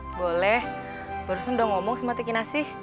boleh barusan udah ngomong sama tikinasi